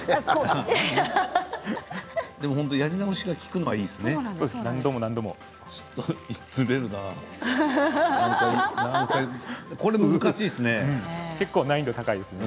でも本当にやり直しが利くのはいいですね。